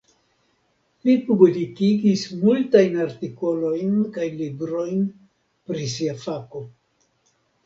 Li publikigis multajn artikolojn kaj librojn pri sia fako.